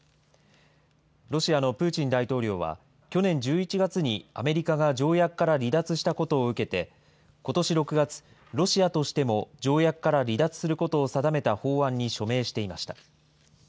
ロシアのプーチン大統領は、去年１１月にアメリカが条約から離脱したことを受けて、ことし６月、ロシアとしても条約から離脱することを定めた法案に署名していました。